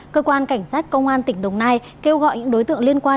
cơ quan cảnh sát công an tỉnh đồng nai kêu gọi những đối tượng liên quan